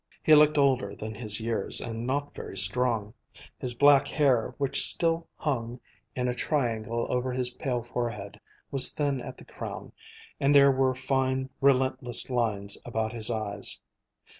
He looked older than his years and not very strong. His black hair, which still hung in a triangle over his pale forehead, was thin at the crown, and there were fine, relentless lines about his eyes.